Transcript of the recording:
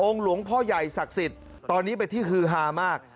หลวงพ่อใหญ่ศักดิ์สิทธิ์ตอนนี้เป็นที่ฮือฮามาก